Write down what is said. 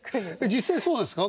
実際そうなんですか？